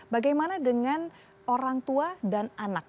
bagaimana dengan orang tua dan anak